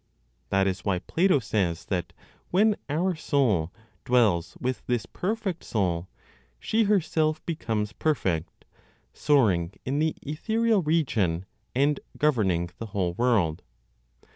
That is why Plato says that, when our soul dwells with this perfect Soul, she herself becomes perfect, soaring in the ethereal region, and governing the whole world.